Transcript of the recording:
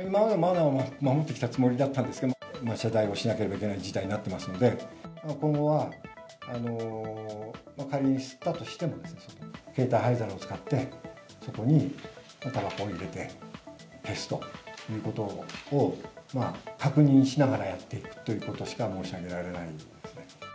今までもマナーを守ってきたつもりだったんですけど、謝罪をしなければいけない事態になってますので、今後は、仮に吸ったとしても、携帯灰皿を使って、そこにたばこを入れて消すということを、確認しながらやっていくということしか申し上げられないですね。